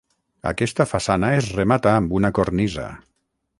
Aquesta façana es remata amb una cornisa.